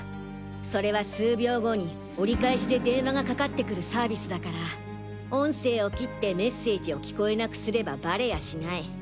それは数秒後に折り返しで電話がかかってくるサービスだから音声を切ってメッセージを聞こえなくすればバレやしない。